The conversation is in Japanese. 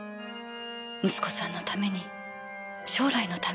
息子さんのために将来のために。